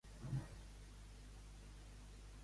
Els donarem tot l’escalf que puguem abans de marxar.